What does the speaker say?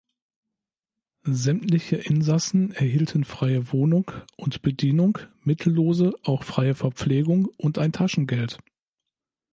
Sämtliche Insassen erhielten freie Wohnung und Bedienung, mittellose auch freie Verpflegung und ein Taschengeld.